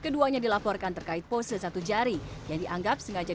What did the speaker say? keduanya dilaporkan terkait pose satu jari yang dianggap sengaja